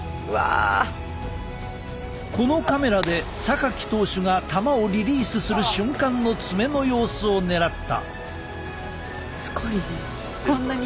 このカメラで投手が球をリリースする瞬間の爪の様子を狙った。